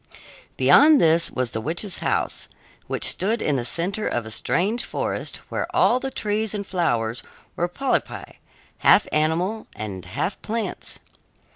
Beyond this was the witch's house, which stood in the center of a strange forest, where all the trees and flowers were polypi, half animals and half plants.